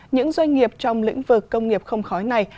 những doanh nghiệp trong lĩnh vực công nghiệp không khói này